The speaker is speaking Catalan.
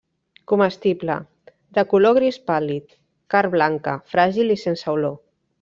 Comestible, de color gris pàl·lid, carn blanca, fràgil i sense olor.